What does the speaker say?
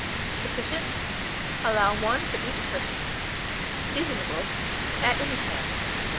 Sufficient. Allow 1 for each person. Seasonable at any time.